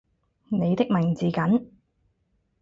你的名字梗